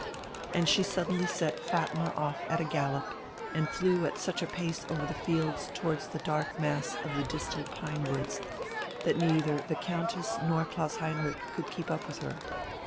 And she suddenly set Fatma off at a gallop and flew at such a pace over the fields towards the dark mass of the distant pine woods that neither the Countess nor Klaus Heinrich could keep up with her.